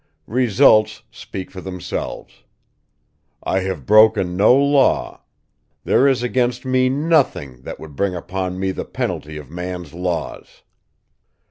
Results speak for themselves. I have broken no law; there is against me nothing that would bring upon me the penalty of man's laws."